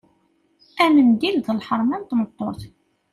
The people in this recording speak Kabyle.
Amendil d lḥerma n tmeṭṭut.